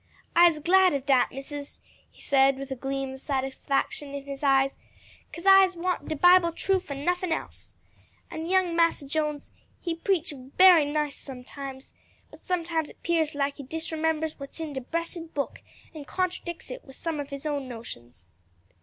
"I'se glad of dat, Missus," he said with a gleam of satisfaction in his eyes; "'cause I'se want de Bible truff and nuffin else. And young Massa Jones, he preach bery nice sometimes, but sometimes it 'pears like he disremembers what's in de bressed book, and contradicts it wid some of his own notions."